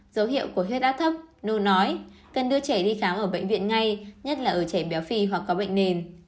dấu hiệu của huyết áp thấp nô nói cần đưa trẻ đi khám ở bệnh viện ngay nhất là ở trẻ béo phì hoặc có bệnh nền